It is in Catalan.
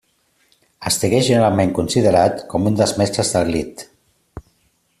Estigué generalment considerat com un dels mestres del lied.